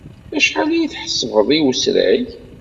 Acḥal ay tḥessbeḍ i wesrag?